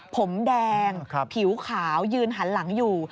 ผมแดงผิวขาวยืนหันหลังอยู่